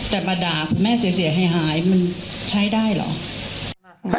แต่มาด่าคุณแม่เสียหายมันใช้ได้เหรอ